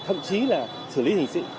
thậm chí là xử lý hình sự